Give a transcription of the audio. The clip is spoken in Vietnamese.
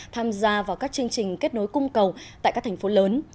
tham gia vào các chương trình kết nối cung cầu tại các thành phố lớn